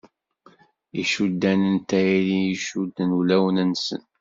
Icuddan n tayri i icudden ulawen-nsen.